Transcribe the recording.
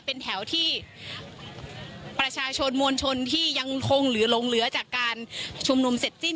เป็นแถวที่ประชาชนมวลชนที่ยังคงเหลือหลงเหลือจากการชุมนุมเสร็จสิ้น